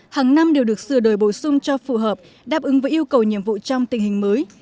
hàng năm đều được sửa đổi bổ sung cho phù hợp đáp ứng với yêu cầu nhiệm vụ trong tình hình mới